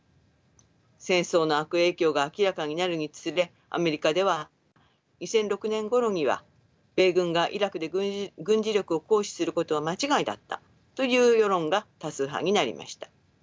戦争の悪影響が明らかになるにつれアメリカでは２００６年ごろには米軍がイラクで軍事力を行使することは間違いだったという世論が多数派になりました。